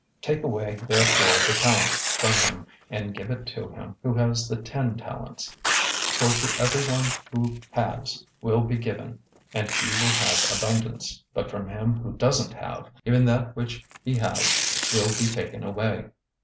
025:028 Take away therefore the talent from him, and give it to him who has the ten talents. 025:029 For to everyone who has will be given, and he will have abundance, but from him who doesn't have, even that which he has will be taken away.